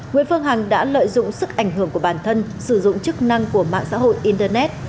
nguyễn phương hằng đã lợi dụng sức ảnh hưởng của bản thân sử dụng chức năng của mạng xã hội internet